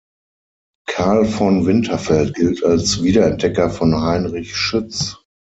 Carl von Winterfeld gilt als Wiederentdecker von Heinrich Schütz.